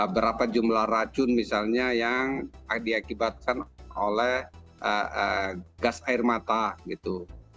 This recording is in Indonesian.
berapa jumlah racun misalnya yang diakibatkan oleh gas air mata gitu